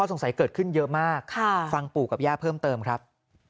สงสัยเกิดขึ้นเยอะมากฟังปู่กับย่าเพิ่มเติมครับ